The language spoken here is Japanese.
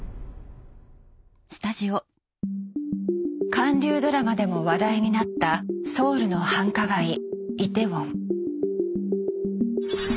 韓流ドラマでも話題になったソウルの繁華街イテウォン。